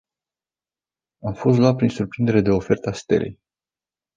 Am fost luat prin surprindere de oferta Stelei.